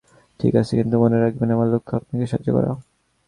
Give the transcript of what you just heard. ঠিক আছে, কিন্তু মনে রাখবেন, আমার লক্ষ্য আপনাকে সাহায্য করা।